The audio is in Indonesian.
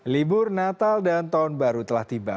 libur natal dan tahun baru telah tiba